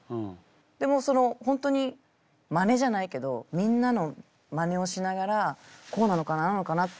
でも本当にマネじゃないけどみんなのマネをしながらこうなのかなああなのかなってやってった。